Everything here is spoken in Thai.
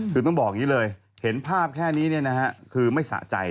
คือต้องบอกงี้เลยเห็นภาพแค่นี้เนี่ยนะครับคือไม่สะใจ